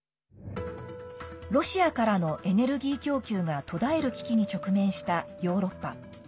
ロシアからのエネルギー供給が途絶える危機に直面したヨーロッパ。